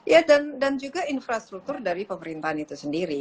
ya dan juga infrastruktur dari pemerintahan itu sendiri